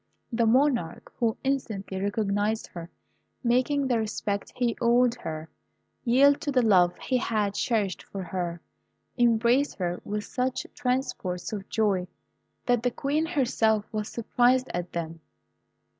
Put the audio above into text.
The monarch, who instantly recognised her, making the respect he owed her yield to the love he had cherished for her, embraced her with such transports of joy, that the Queen herself was surprised at them.